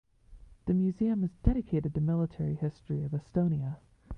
The museum is dedicated to military history of Estonia.